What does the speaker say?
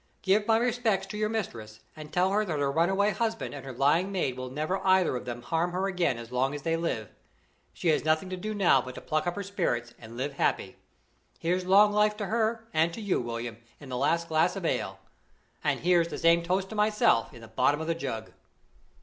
Give my respects to your mistress, and tell her that her runaway husband and her lying maid will never either of them harm her again as long as they live. She has nothing to do now but to pluck up her spirits and live happy. Here's long life to her and to you, William, in the last glass of ale; and here's the same toast to myself in the bottom of the jug."